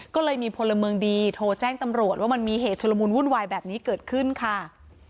ก็เลยมีพลเมืองดีโทรแจ้งตำรวจว่ามันมีเหตุชุลมุนวุ่นวายแบบนี้เกิดขึ้นค่ะ